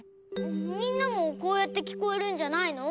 みんなもこうやってきこえるんじゃないの？